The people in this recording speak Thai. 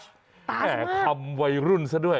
สตาร์ชมากแหม่คำวัยรุ่นซะด้วย